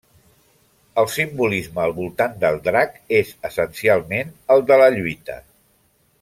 El simbolisme al voltant del drac és essencialment el de la lluita.